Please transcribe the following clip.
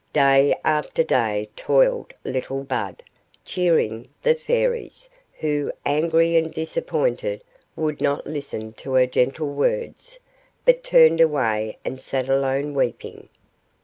Day after day toiled little Bud, cheering the Fairies, who, angry and disappointed, would not listen to her gentle words, but turned away and sat alone weeping.